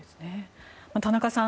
田中さん